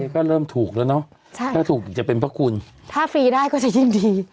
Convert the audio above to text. ก็เริ่มถูกแล้วเนอะใช่ถ้าถูกจะเป็นพระคุณถ้าฟรีได้ก็จะยินดี